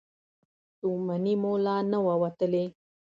ستومني مو لا نه وه وتلې.